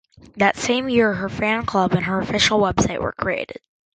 That same year, her fan club and her official website were created.